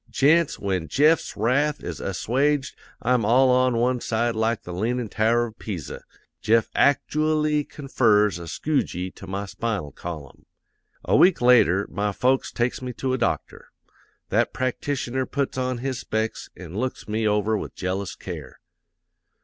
Gents, when Jeff's wrath is assuaged I'm all on one side like the leanin' tower of Pisa. Jeff actooally confers a skew gee to my spinal column. "'A week later my folks takes me to a doctor. That practitioner puts on his specs an' looks me over with jealous care.